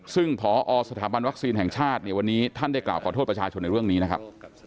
ซึ่งพอสถาบันวัคซีนแห่งชาติเนี่ยวันนี้ท่านได้กล่าวขอโทษประชาชนในเรื่องนี้นะครับ